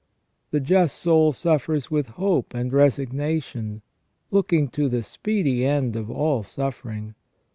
The just soul suffers with hope and resignation, looking to the speedy end of all suffering.